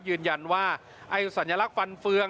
ยืนยันว่าไอ้สัญลักษณ์ฟันเฟือง